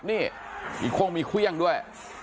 นี่อีกคงมีเครื่องด้วย